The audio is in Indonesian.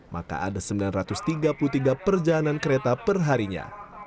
maka ada sembilan ratus tiga puluh tiga perjalanan kereta perharinya